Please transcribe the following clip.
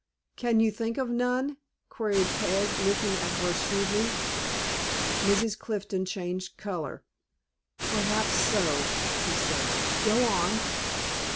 "Can you think of none?" queried Peg, looking at her shrewdly. Mrs. Clifton changed color. "Perhaps so," she said. "Go on."